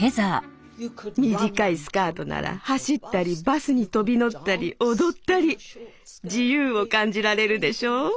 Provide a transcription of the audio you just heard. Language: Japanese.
短いスカートなら走ったりバスに飛び乗ったり踊ったり自由を感じられるでしょ。